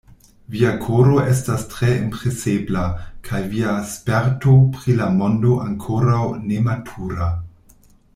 Via koro estas tre impresebla, kaj via sperto pri la mondo ankoraŭ nematura.